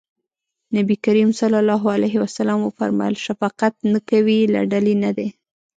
نبي کريم ص وفرمایل شفقت نه کوي له ډلې نه دی.